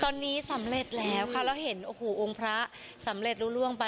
ตอนนี้สำเร็จแล้วค่ะแล้วเห็นโอ้โหองค์พระสำเร็จรู้ล่วงไป